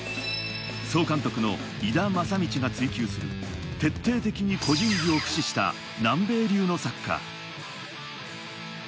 総監督の井田勝通が追求する徹底的に個人技を駆使した南米流のサッカー。